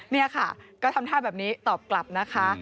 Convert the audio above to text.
นี่ค่ะก็ทำท่าแบบนี้ตอบกลับนะคะ